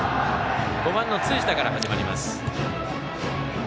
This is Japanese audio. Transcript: ５番、辻田から始まります。